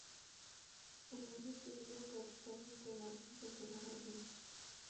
En ella estudiaron gratuitamente más de un centenar de niños.